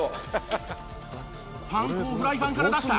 パン粉をフライパンから出した